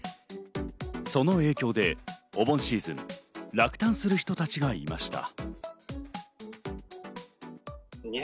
その影響でお盆シーズン、落胆する人たちがいました。